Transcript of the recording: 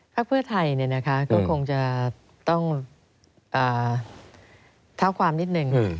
เพื่อไทยก็คงจะต้องเท้าความนิดนึง